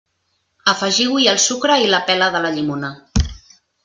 Afegiu-hi el sucre i la pela de la llimona.